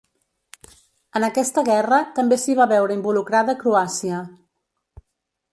En aquesta guerra també s'hi va veure involucrada Croàcia.